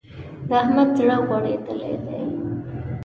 د احمد زړه غوړېدل دی.